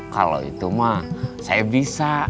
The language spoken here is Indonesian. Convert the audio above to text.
kalau itu mah saya bisa